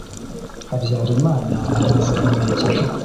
habyarimana araza aramwegera